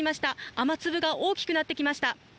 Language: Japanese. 雨粒が大きくなってきました。